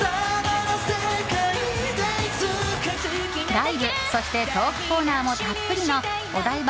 ライブ、そしてトークコーナーもたっぷりの「オダイバ！！